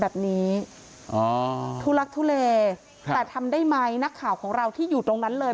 แบบนี้อ๋อทุลักทุเลแต่ทำได้ไหมนักข่าวของเราที่อยู่ตรงนั้นเลย